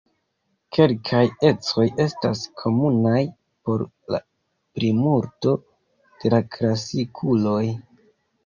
Kelkaj ecoj estas komunaj por la plimulto de la klasikuloj.